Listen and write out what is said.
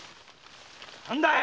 何だよ！